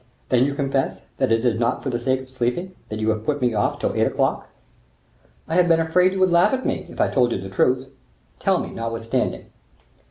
"Then you confess, that it is not for the sake of sleeping, that you have put me off till eight o'clock." "I have been afraid you would laugh at me, if I told you the truth." "Tell me, notwithstanding."